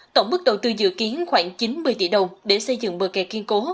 tổng mức đầu tư dự kiến khoảng chín mươi tỷ đồng để xây dựng bờ kè kiên cố